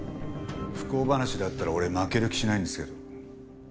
不幸話だったら俺負ける気しないんですけど。